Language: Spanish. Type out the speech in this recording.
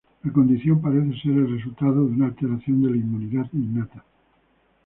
La condición parece ser el resultado de una alteración de la inmunidad innata.